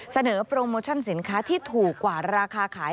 เสนอโปรโมชั่นสินค้าที่ถูกกว่าราคาขาย